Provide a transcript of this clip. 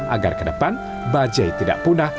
agar ke depan bajai tidak punah